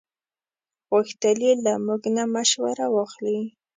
غوښتل یې له موږ نه مشوره واخلي.